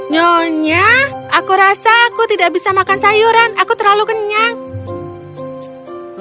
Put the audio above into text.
nyonya aku rasa aku tidak bisa makan sayuran aku terlalu kenyang